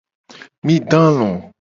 Mi do alo.